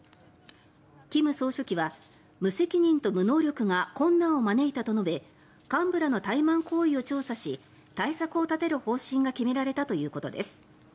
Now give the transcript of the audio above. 金総書記は、無責任と無能力が困難を招いたと述べ幹部らの怠慢行為を調査し対策を立てる方針が決められたということです。